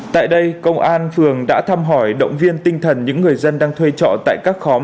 tại đây công an phường đã thăm hỏi động viên tinh thần những người dân đang thuê trọ tại các khóm